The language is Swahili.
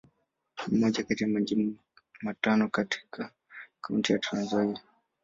Ni moja kati ya Majimbo matano katika Kaunti ya Trans-Nzoia.